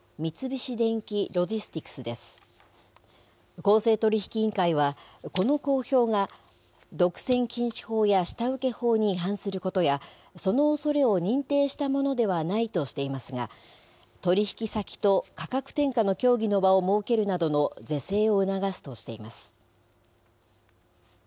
公正取引委員会は、この公表が、独占禁止法や下請法に違反することや、そのおそれを認定したものではないとしていますが、取り引き先と価格転嫁の協議の場を設けるなどの是正を促すとしています。